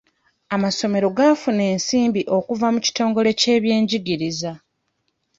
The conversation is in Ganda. Amasomero gaafuna ensimbi okuva mu kitongole kyebyenjigiriza.